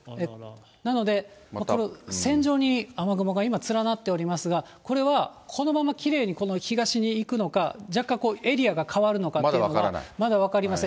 なので、線状に雨雲が今、連なっておりますが、これは、このままきれいにこの東に行くのか、若干エリアが変わるのかっていうのは、まだ分かりません。